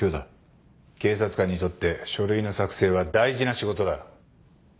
警察官にとって書類の作成は大事な仕事だ。